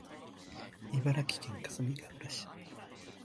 茨城県かすみがうら市